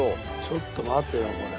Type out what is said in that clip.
ちょっと待てよこれ。